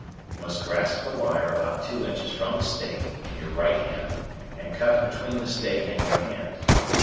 You must grasp the wire about two inches from the stake in your right hand and cut between the stake and your hand.